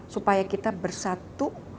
supaya kita bersatu